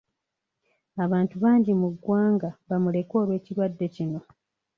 Abaana bangi mu ggwanga bamulekwa olw'ekirwadde kino.